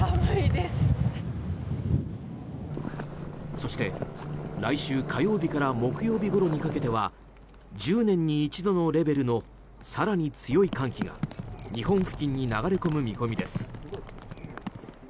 そして、来週火曜日から木曜日ごろにかけては１０年に一度のレベルの更に強い寒気が日本付近に流れ込む見込みです。